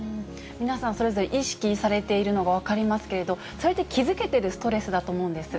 皆さんそれぞれ意識されているのが分かりますけれど、それって、気付けてるストレスだと思うんです。